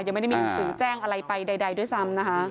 ยังไม่ได้มีหนังสือแจ้งอะไรไปใดด้วยซ้ำนะคะ